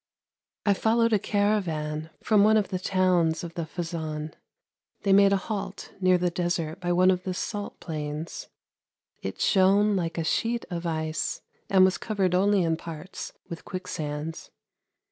" I followed a caravan from one of the towns of the Fezzan. They made a halt near the desert by one of the salt plains; it shone like a sheet of ice, and was covered only in parts with quicksands.